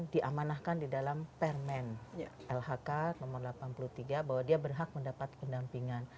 diamanahkan di dalam permen lhk nomor delapan puluh tiga bahwa dia berhak mendapat pendampingan